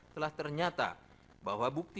telah ternyata bahwa bukti